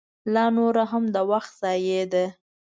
لا نوره هم د وخت ضایع ده.